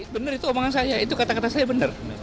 benar itu omongan saya itu kata kata saya benar